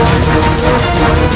barkan betul apa ini kaz